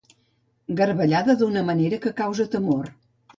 Garbellada d'una manera que causa temor.